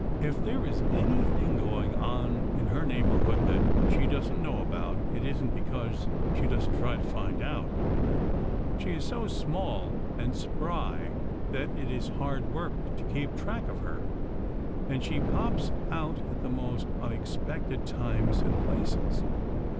If there is anything going on in her neighborhood that she doesn't know about, it isn't because she doesn't try to find out. She is so small and spry that it is hard work to keep track of her, and she pops out at the most unexpected times and places.